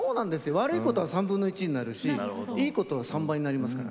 悪いことは３分の１になるしいいことは３倍になりますから。